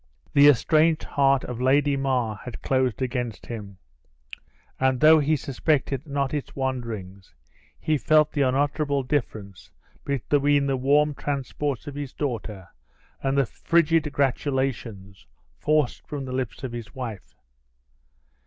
The estranged heart of Lady Mar had closed against him; and though he suspected not its wanderings, he felt the unutterable difference between the warm transports of his daughter and the frigid gratulations forced from the lips of his wife.